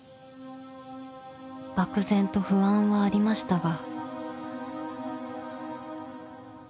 ［漠然と不安はありましたが］